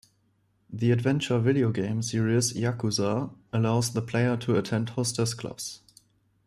The adventure video game series "Yakuza" allows the player to attend hostess clubs.